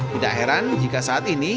tidak heran jika saat ini